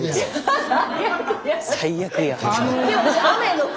「最悪や」！